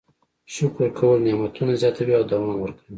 شکر کول نعمتونه زیاتوي او دوام ورکوي.